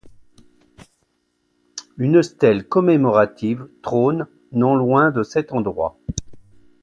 Une stèle commémorative trône non loin de cet endroit.